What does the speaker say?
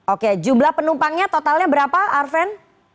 oke jumlah penumpangnya totalnya berapa arven